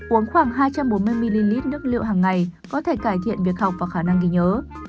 uống khoảng hai trăm bốn mươi ml nước liệu hàng ngày có thể cải thiện việc học và khả năng ghi nhớ